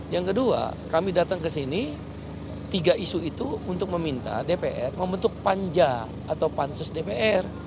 yang kedua kami datang ke sini tiga isu itu untuk meminta dpr membentuk panja atau pansus dpr